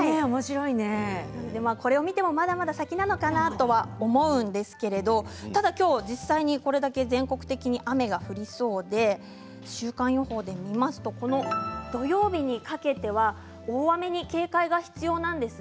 これを見てもまだまだ先なのかなとは思うんですがただきょう実際にこれだけ全国的に雨が降りそうで週間予報で見ますとこの土曜日にかけては大雨に警戒が必要なんです。